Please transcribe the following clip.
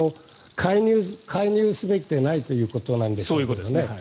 介入すべきでないということなんでしょうね。